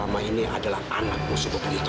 akan jadi langsung saya menubuhkan budi saya